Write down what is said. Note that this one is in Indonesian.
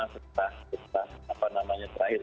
serta apa namanya terakhir